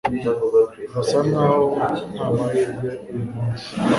Birasa nkaho ntamahirwe uyu munsi